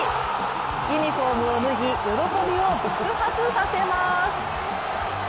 ユニフォームを脱ぎ喜びを爆発させます。